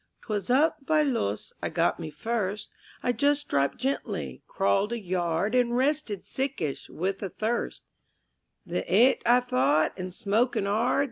_ 'Twas up by Loos I got me first; I just dropped gently, crawled a yard And rested sickish, with a thirst The 'eat, I thought, and smoking 'ard....